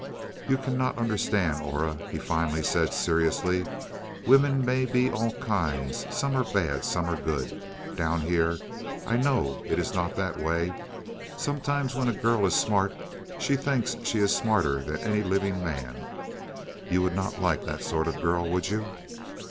"You cannot understand, Aura," he finally said seriously. "Women may be all kinds; some are bad some are good. Down here I know it is not that way. Sometimes when a girl is smart she thinks she is smarter than any living man. You would not like that sort of girl would you?"